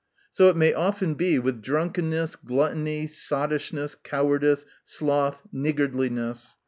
So i* m?y often be with drunkenness, gluttony, sottish ness, cowardice, sloth, niggardliness.